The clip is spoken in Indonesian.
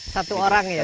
satu orang ya